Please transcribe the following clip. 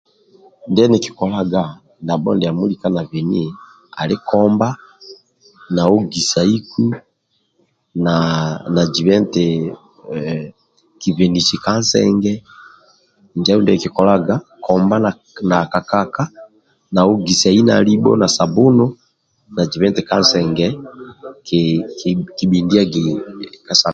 Ndie Niki kolaga tiko ndiamo lika na beni ali kobha na hogisahiku na na ki bhenisi ka nsege njo adulu dikikikolaga hogisai na sabuni